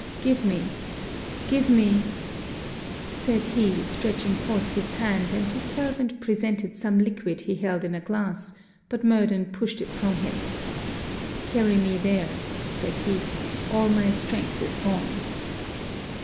'Give me give me ' said he, stretching forth his hand, and his servant presented some liquid he held in a glass; but Murden pushed it from him. 'Carry me there,' said he, 'all my strength is gone.'